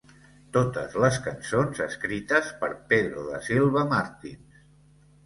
Totes les cançons, escrites per Pedro da Silva Martins.